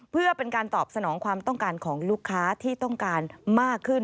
เพื่อเป็นการตอบสนองความต้องการของลูกค้าที่ต้องการมากขึ้น